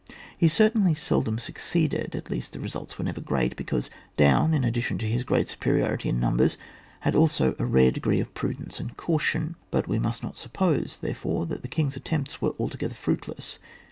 He certainly seldom succeeded, at leasts the results were never great, because Daun, in addition to his g^eat superiority in numbers, had also a rare degree of pru dence and caution ; but we must not sup pose that, therefore, the king's attempts were altogether fruitless.